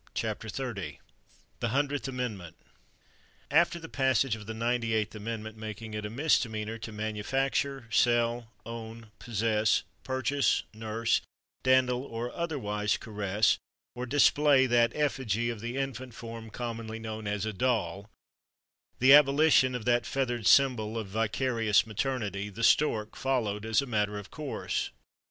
THE HUNDREDTH AMENDMENT After the passage of the Ninety eighth Amendment making it a misdemeanor to "_manufacture, sell, own, possess, purchase, nurse, dandle or otherwise caress or display that effigy of the infant form commonly known as a Doll_" … the abolition of that feathered symbol of vicarious maternity, the Stork, followed as a matter of course.